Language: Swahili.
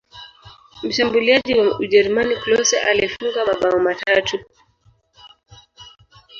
mshambuliaji wa ujerumani klose aliifunga mabao matano